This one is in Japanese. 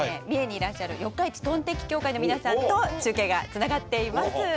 三重にいらっしゃる四日市とんてき協会の皆さんと中継がつながっています。